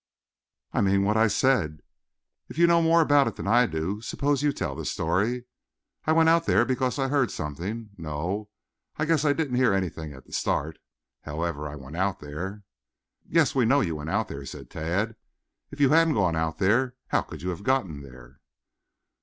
"I mean what I said. If you know more about it than I do, suppose you tell the story. I went out there because I heard something no, I guess I didn't hear anything at the start. However, I went out there." "Yes, we know you went out there," said Tad. "If you hadn't gone out there, how could you have gotten there?"